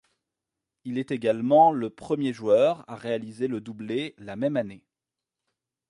Il est également le premier joueur à réaliser le doublé la même année.